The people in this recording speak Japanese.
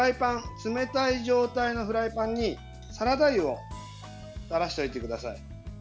冷たい状態のフライパンにサラダ油を垂らしておいてください。